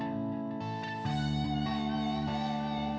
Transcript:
terima kasih sayang